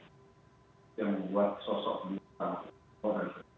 itu yang membuat sosok ini sangat penting